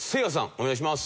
お願いします。